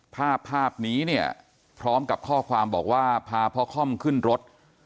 ภาพภาพนี้เนี่ยพร้อมกับข้อความบอกว่าพาพ่อค่อมขึ้นรถ